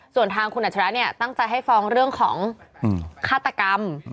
ส่วนทางคุณอัจฉริยะเนี่ยตั้งใจให้ฟ้องเรื่องของฆาตกรรม